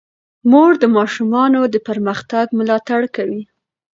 مور د ماشومانو د پرمختګ ملاتړ کوي.